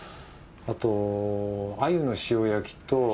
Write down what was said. あと鮎の塩焼きと。